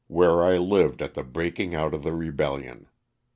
where I lived at the breaking out of the rebellion.